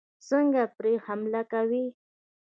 څنګه پرې حملې کوي.